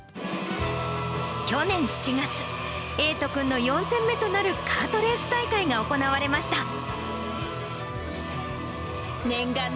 去年７月、瑛斗くんの４戦目となるカートレース大会が行われました。